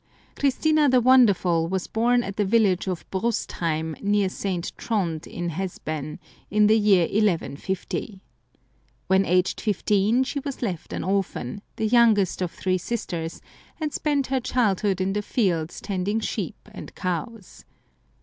Christina the Wonderful was laorn at the village of Brustheim, near St. Trond in Hesbain, in the year 1150. When aged fifteen she was left an orphan, the youngest of three sisters, and spent her childhood in the fields tending sheep and cows.